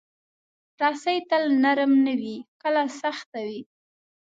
رسۍ تل نرم نه وي، کله سخت وي.